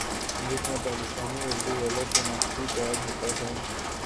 جس میں پاکستانی اردو والا شناختی کارڈ ہوتا ہے